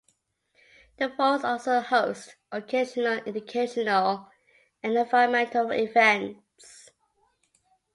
The forest also hosts occasional educational and environmental events.